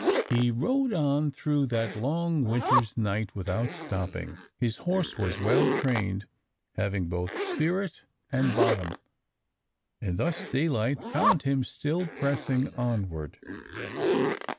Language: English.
He rode on through that long winter's night without stopping. His horse was well trained, having both spirit and bottom; and thus daylight found him still pressing onward.